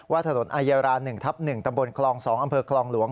ถนนอายารา๑ทับ๑ตำบลคลอง๒อำเภอคลองหลวง